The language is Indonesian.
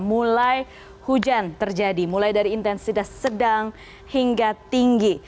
mulai hujan terjadi mulai dari intensitas sedang hingga tinggi